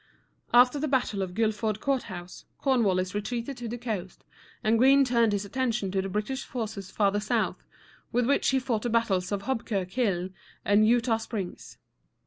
After the battle of Guilford Courthouse, Cornwallis retreated to the coast, and Greene turned his attention to the British forces farther south, with which he fought the battles of Hobkirk Hill and Eu´taw Springs.